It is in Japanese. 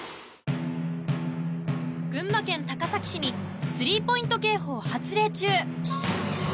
群馬県高崎市にスリーポイント警報発令中。